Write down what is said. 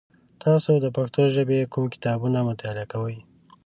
تاسو د پښتو ژبې کوم کتابونه مطالعه کوی؟